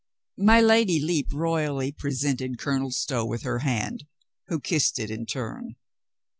My Lady Lepe royally presented Colonel Stow with her hand, who kissed it in turn.